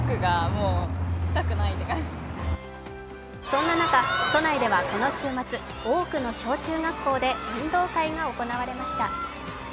そんな中、都内ではこの週末、多くの小中学校で運動会が行われました。